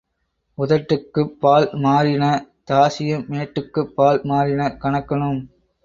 உதட்டுக்குப் பால் மாறின தாசியும் மேட்டுக்குப் பால் மாறின கணக்கனும்.